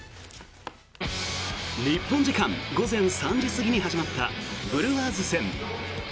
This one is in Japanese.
日本時間午前３時過ぎに始まったブルワーズ戦。